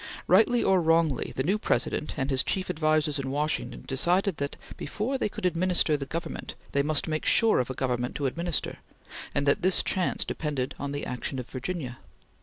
Rightly or wrongly the new President and his chief advisers in Washington decided that, before they could administer the Government, they must make sure of a government to administer, and that this chance depended on the action of Virginia.